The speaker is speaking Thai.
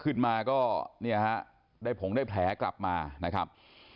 ขึ้นมาก็เนี่ยฮะได้ผงได้แผลกลับมานะครับ